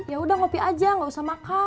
yaudah ngopi aja nggak usah makan